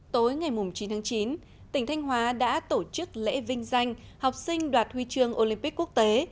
tối ngày chín tháng chín tỉnh thanh hóa đã tổ chức lễ vinh danh học sinh đoạt huy chương olympic quốc tế